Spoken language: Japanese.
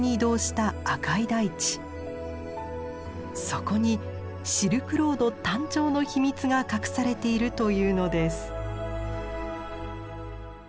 そこにシルクロード誕生の秘密が隠されているというのです。